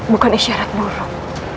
bukan isyarat buruk